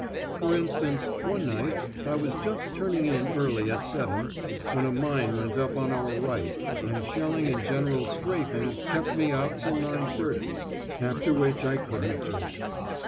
For instance, one night I was just turning in early at 7.0, when a mine went up on our right, and shelling and general 'strafing' kept me out till 9.30, after which I couldn't sleep!